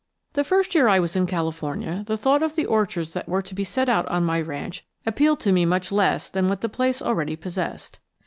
THE first year I was in California the thought of the orchards that were to be set out on my ranch appealed to me much less than what the place already possessed.